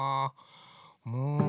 うん。